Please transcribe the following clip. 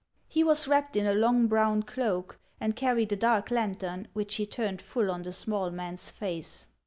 He was wrapped in a long brown cloak, and car ried a dark lantern, which he turned full on the small man's face.